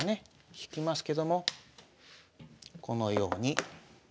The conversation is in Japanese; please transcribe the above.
引きますけどもこのように。